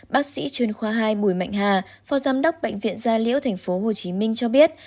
bác sĩ chuyên khoa hai bùi mạnh hà phó giám đốc bệnh viện gia liễu tp hcm cho biết